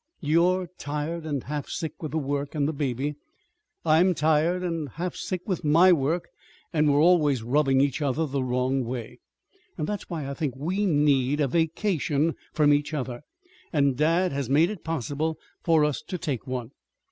You're tired and half sick with the work and the baby. I'm tired and half sick with my work, and we're always rubbing each other the wrong way. That's why I think we need a vacation from each other. And dad has made it possible for us to take one.